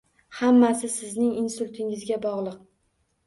Hammasi sizning insultingizga bog'liq.